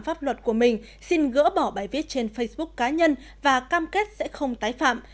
pháp luật của mình xin gỡ bỏ bài viết trên facebook cá nhân và cam kết sẽ không tái phạm